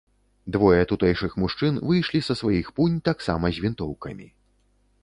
Двое тутэйшых мужчын выйшлі са сваіх пунь таксама з вінтоўкамі.